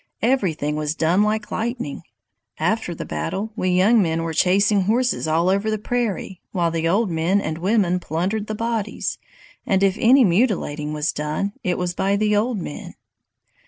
Everything was done like lightning. After the battle we young men were chasing horses all over the prairie, while the old men and women plundered the bodies; and if any mutilating was done, it was by the old men.